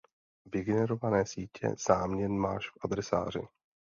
Vygenerované sítě záměn máš v adresáři.